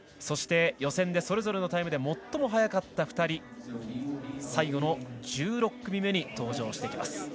そして予選でそれぞれのタイムで最も早かった２人最後の１６組目に登場してきます。